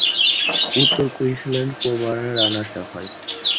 উত্তর Queensland কাউবয়রা runners-up হয়।